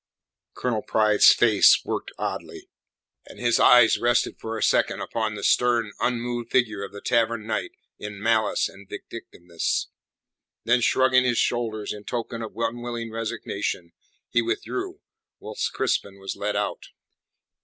Colonel Pride's face worked oddly, and his eyes rested for a second upon the stern, unmoved figure of the Tavern Knight in malice and vindictiveness. Then, shrugging his shoulders in token of unwilling resignation, he withdrew, whilst Crispin was led out.